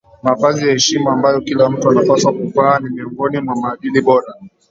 Mavazi ya heshima ambayo kila mtu anapaswa kuvaa ni miongoni mwa maadili bora